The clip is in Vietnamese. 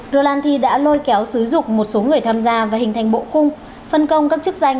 rolati đã lôi kéo xứ dục một số người tham gia và hình thành bộ khung